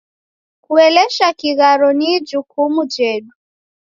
Kuelesha kigharo ni ijukumu jedu.